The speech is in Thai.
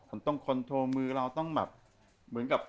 คุณต้องเคล็ดเคล็ดมือเรา